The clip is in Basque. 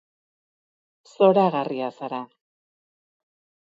Zoragarria zara.